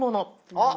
あっ。